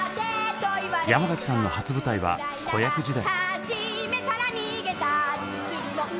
山崎さんの初舞台は子役時代。